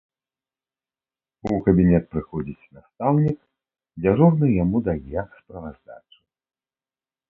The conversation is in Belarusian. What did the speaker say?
У кабінет прыходзіць настаўнік, дзяжурны яму дае справаздачу.